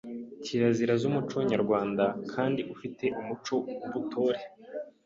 kirazira z’umuco Nyarwanda kandi ufi te umuco w’Ubutore.